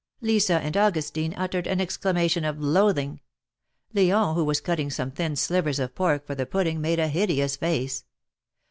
Lisa and Augustine uttered an exclamation of loathing. L6on, who was cutting some thin slivers of pork for the pudding, made a hideous face.